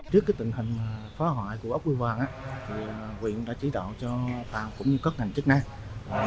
trước tình hình phá hoại của ốc biêu vàng huyện đã chỉ đoạn cho tàu cũng như các ngành chức năng